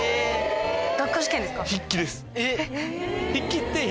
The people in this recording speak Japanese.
えっ！